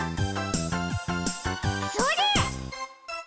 それ！